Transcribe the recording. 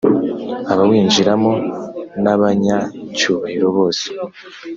abawinjiramo nabanya cyubahiro bose.